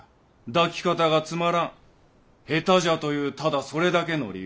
抱き方がつまらん下手じゃというただそれだけの理由でな。